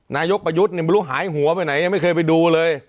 นายกประยุทธ์ไม่รู้หายหัวไปไหนยังไม่เคยไปดูเลย